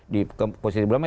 di posisi belomnya